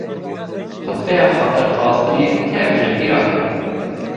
Xutbeya Xatirxwestinê tev ji bîra kirin.